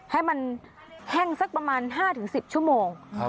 ให้มันแห้งสักประมาณ๕๑๐ชั่วโมง